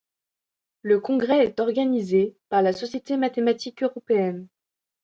Le congrès est organisé par la société mathématique européenne.